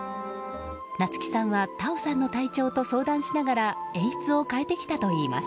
夏木さんは太鳳さんの体調と相談しながら演出を変えてきたといいます。